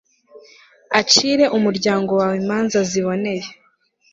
acire umuryango wawe imanza ziboneye